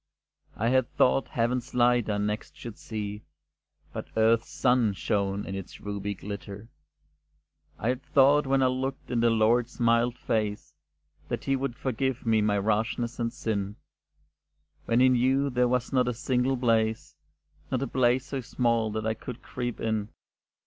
I had thought Heaven's light I next should see, But earth's sun shone in its ruby glitter; I had thought when I looked in the Lord's mild face, That He would forgive my rashness and sin, When He knew there was not a single place, Not a place so small that I could creep in.